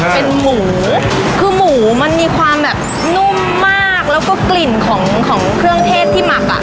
เป็นหมูคือหมูมันมีความแบบนุ่มมากแล้วก็กลิ่นของของเครื่องเทศที่หมักอ่ะ